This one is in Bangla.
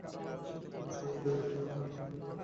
শরীরের উপর আমাদের আধিপত্য নাই বলিয়াই আমরা যত দুঃখ ভোগ করি।